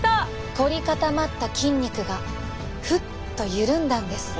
凝り固まった筋肉がフッと緩んだんです。